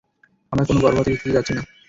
আমরা কোনও গর্ভপাতের ইস্যুতে যাচ্ছি না।